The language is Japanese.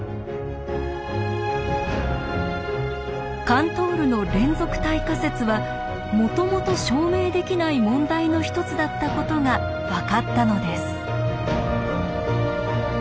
カントールの「連続体仮説」はもともと証明できない問題の一つだったことが分かったのです。